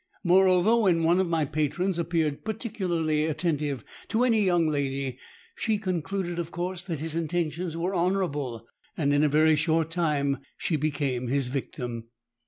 Moreover, when one of my patrons appeared particularly attentive to any young lady, she concluded of course that his intentions were honourable; and in a very short time she became his victim.